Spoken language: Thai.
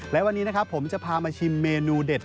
และวันนี้นะครับผมจะพามาชิมเมนูเด็ด